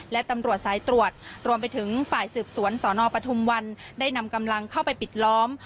และตำรวจสายตรวจรวมไปถึงฝ่ายสืบสวนสนปทุมวันได้นำกำลังเข้าไปปิดล้อม